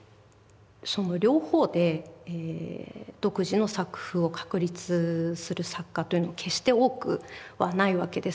その両方で独自の作風を確立する作家というのは決して多くはないわけです。